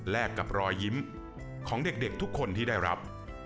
กับรอยยิ้มของเด็กทุกคนที่ได้รับ